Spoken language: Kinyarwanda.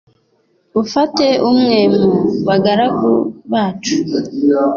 ufate umwe mu bagaragu bacu